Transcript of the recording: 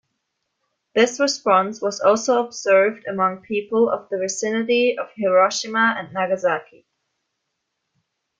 This response was also observed among people in the vicinity of Hiroshima and Nagasaki.